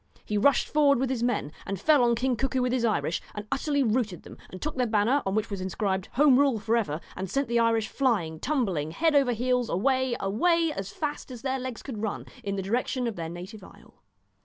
He rushed forward with his men and fell on King Cuckoo with his Irish, and utterly routed them, and took their banner, on which was inscribed ' Home Rule for ever,' and sent the Irish flying, tumbling head over heels, away, away, as fast as their legs could run, in the direction of their native isle.